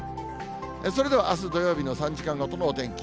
それではあす土曜日の３時間ごとのお天気。